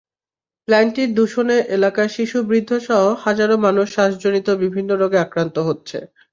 প্ল্যান্টটির দূষণে এলাকার শিশু-বৃদ্ধসহ হাজারো মানুষ শ্বাসজনিত বিভিন্ন রোগে আক্রান্ত হচ্ছে।